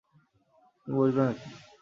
তুমি বসবে না নাকি?